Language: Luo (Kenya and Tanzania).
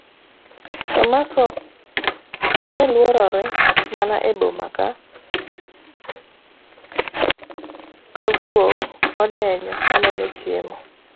Tomaso ne luorore mana e boma ka guok modenyo mamanyo chiemo.